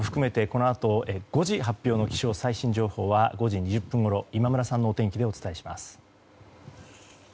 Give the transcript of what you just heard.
このあと５時発表の気象最新情報は５時２０分ごろ、今村さんのお天気でお伝えします。